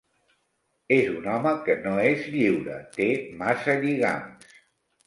És un home que no és lliure: té massa lligams.